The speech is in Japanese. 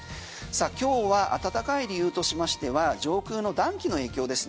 今日は暖かい理由としましては上空の暖気の影響です。